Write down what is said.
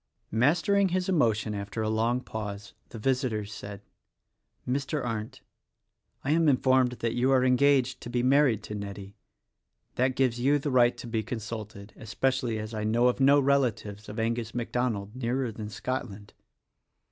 Mastering his emotion after a long pause the visitor said, "Mr. Arndt, I am informed that you are engaged to be married to Nettie; that gives you the right to be con sulted — especially as I know of no relatives of Angus MacDonald nearer than Scotland.